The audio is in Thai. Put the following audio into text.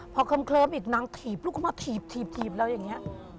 พอเคลิ้มอีกนางถีบลูกเข้ามาถีบเราอย่างนี้